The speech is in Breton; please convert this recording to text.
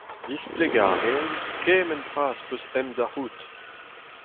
Displegañ a reomp kement tra az peus ezhomm da c'houzout !